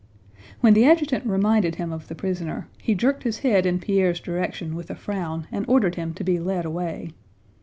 When the adjutant reminded him of the prisoner, he jerked his head in Pierre's direction with a frown and ordered him to be led away.